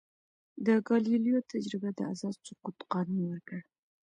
د ګالیلیو تجربه د آزاد سقوط قانون ورکړ.